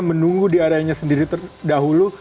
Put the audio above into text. menunggu di areanya sendiri terdahulu